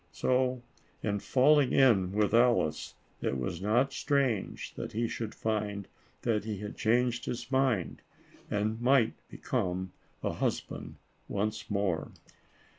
So, in falling in with Alice, it was not strange that he should find that he had changed ,his mind, and might become a husband once more.